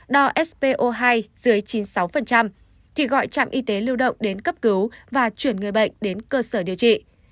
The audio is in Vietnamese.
đo spo hai dưới chín mươi sáu thì gọi trạm y tế lưu động đến cấp cứu và chuyển người bệnh đến cơ sở điều trị